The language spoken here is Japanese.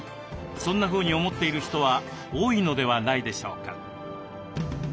そんなふうに思っている人は多いのではないでしょうか。